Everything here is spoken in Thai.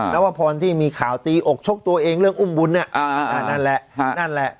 นวพรที่มีข่าวตีอกชกตัวเองเรื่องอุ้มบุญนั่นแหละนั่นแหละ